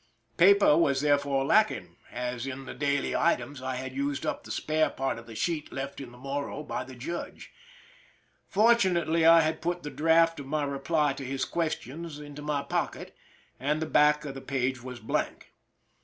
Paper was therefore lacking, as in the daily items I had used up the spare part of a sheet left in the Morro by the judge. Fortunately, I had put the draft of my reply to his questions into my pocket, and the back of the page was blank.